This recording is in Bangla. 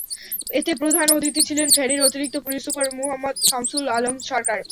এতে প্রধান অতিথি ছিলেন ফেনীর অতিরিক্ত পুলিশ সুপার মুহাম্মদ শামসুল আলম সরকার।